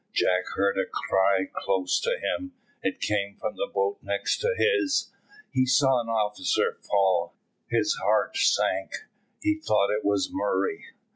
Jack heard a cry close to him. It came from the boat next to his. He saw an officer fall. His heart sank; he thought it was Murray.